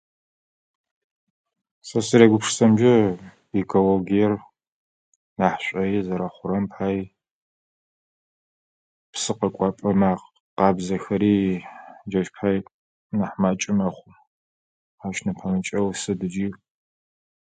Сэ сызэрегупшысэрэмджэ икологиер нахь шӏуои зэрэхъурэм пай, псы къэкӏуапэ [unintelligible] къабзэхэри джащ пай нахь макӏэ мэхъу. Ащ нэпэмыкӏэу сыд иджы.